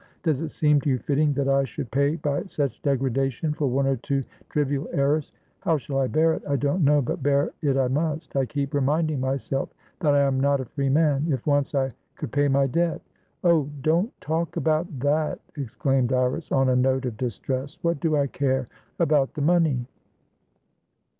Does it seem to you fitting that I should pay by such degradation for one or two trivial errors? How I shall bear it, I don't know; but bear it I must. I keep reminding myself that I am not a free man. If once I could pay my debt" "Oh, don't talk about that!" exclaimed Iris, on a note of distress. "What do I care about the money?"